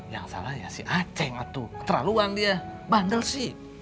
yang salah ya si aceh atau keterlaluan dia bandel sih